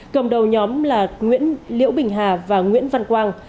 cầm đầu nhóm là nguyễn liễu bình hà và nguyễn văn quang